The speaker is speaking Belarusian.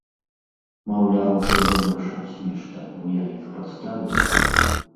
Маўляў, трэба вырашаць нешта, бо я іх падставіў.